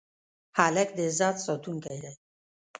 هلک د عزت ساتونکی دی.